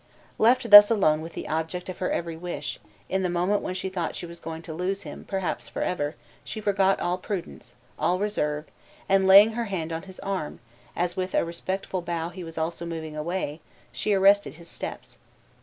Left thus alone with the object of her every wish, in the moment when she thought she was going to lose him, perhaps, forever, she forgot all prudence, all reserve; and laying her hand on her arm, as with a respectful bow he was also moving away, she arrested his steps.